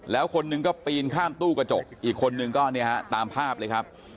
แล้วคนหนึ่งก็ปีนข้ามตู้กระจกอีกคนนึงก็เนี่ยฮะตามภาพเลยครับ